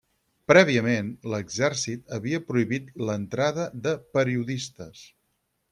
Prèviament l'exèrcit havia prohibit l'entrada de periodistes.